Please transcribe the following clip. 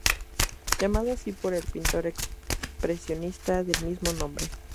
Llamado así por el pintor expresionista del mismo nombre.